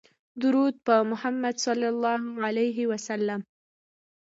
درود په محمدﷺ